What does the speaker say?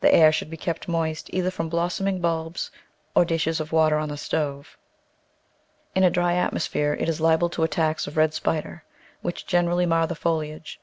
The air should be kept moist, either from blossoming bulbs or dishes of water oh the stove. In a dry atmosphere it is liable to attacks of red spider, which greatly mar the foliage.